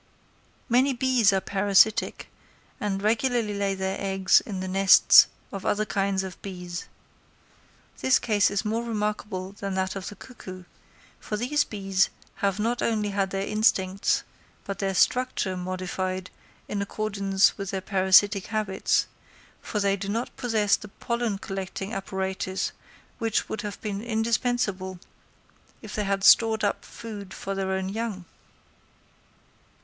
Many bees are parasitic, and regularly lay their eggs in the nests of other kinds of bees. This case is more remarkable than that of the cuckoo; for these bees have not only had their instincts but their structure modified in accordance with their parasitic habits; for they do not possess the pollen collecting apparatus which would have been indispensable if they had stored up food for their own young.